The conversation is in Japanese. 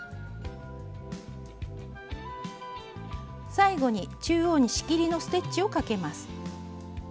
最後に中央に仕切りのステッチをかけます。